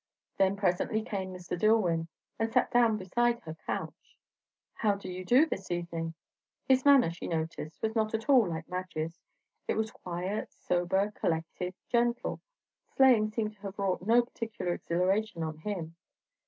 Then presently came Mr. DilIwyn, and sat down beside her couch. "How do you do, this evening?" His manner, she noticed, was not at all like Madge's; it was quiet, sober, collected, gentle; sleighing seemed to have wrought no particular exhilaration on him.